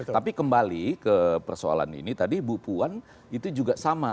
tapi kembali ke persoalan ini tadi bu puan itu juga sama